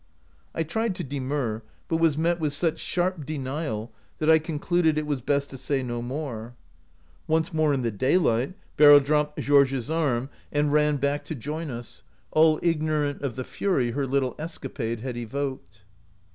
I tried to demur, but was met with such sharp denial, that I concluded it was best to say no more. Once more in the daylight, Beryl dropped Georges' arm, and ran back 27 OUT OF BOHEMIA to join us, all ignorant of the fury her little escapade had evoked.